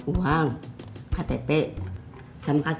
uang ktp sama kartu atm